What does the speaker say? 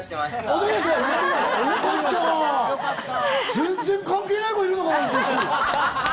全然関係ない子いるのかと思った。